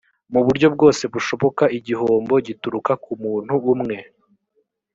mu buryo bwose bushoboka igihombo gituruka ku muntu umwe